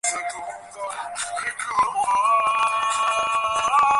তাহা ছাড়া তিনি ইংরাজি জানেন না, কথা চালাইবেন কী করিয়া সেও এক সমস্যা।